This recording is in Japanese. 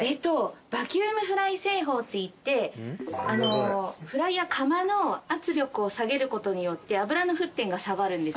バキュームフライ製法っていってフライヤー釜の圧力を下げることによって油の沸点が下がるんです。